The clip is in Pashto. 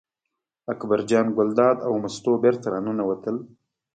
اکبر جان ګلداد او مستو بېرته راننوتل.